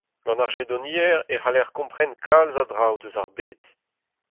Gant ar jedoniezh e c’haller kompren kalz a draoù eus ar bed.